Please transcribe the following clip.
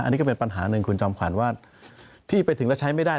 อันนี้ก็เป็นปัญหาหนึ่งคุณจอมขวัญว่าที่ไปถึงแล้วใช้ไม่ได้